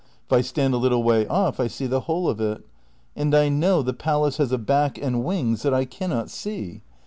If I stand a little way off I see the whole of it. And I know the Palace has a back and wings that I cannot see.